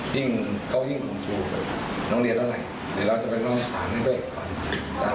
น้องเรียร่าอย่างเต้นประหลีก็สองสัญลงค์